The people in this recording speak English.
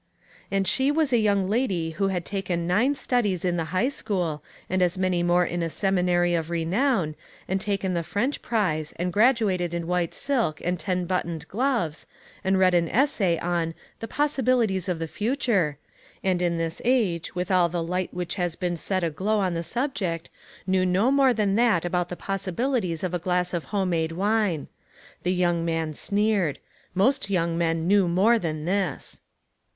THINGS THAT FITTED. 267 And she was a young lady who had taken nine studies in the high school, and as many more in a seminary of renown, and taken the French prize, and graduated in white silk and ten buttoned gloves, and read an essay on "The Possibilities of the Future," and in this age, with all the light which has been set aglow on the subject, knew no more than that about the possibilities of a glass of home made wine. The young man sneered. Most young men know more than this.